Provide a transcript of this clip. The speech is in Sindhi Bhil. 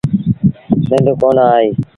ننڊ ڪونا آئيٚ۔